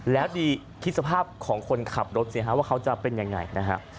แล้วดีคิดสภาพของคนขับรถสิฮะว่าเขาจะเป็นยังไงนะฮะ